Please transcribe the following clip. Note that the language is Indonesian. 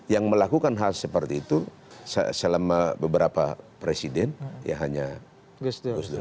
yang melakukan hal seperti itu selama beberapa presiden ya hanya gus dur